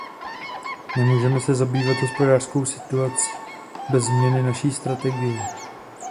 Nemůžeme se zabývat hospodářskou situaci bez změny naší strategie.